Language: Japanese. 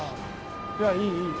いやいいいい。